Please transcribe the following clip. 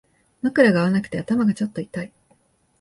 枕が合わなくて頭がちょっと痛い